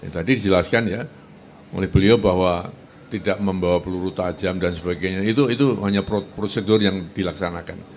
tadi dijelaskan ya oleh beliau bahwa tidak membawa peluru tajam dan sebagainya itu hanya prosedur yang dilaksanakan